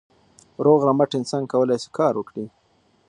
روغ رمټ انسان کولای سي کار وکړي.